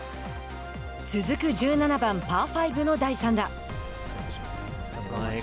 続く１７番パー５の第３打。